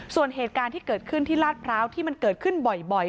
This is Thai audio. ส่วนเหตุการณ์ที่เกิดขึ้นที่ลาดพร้าวที่มันเกิดขึ้นบ่อย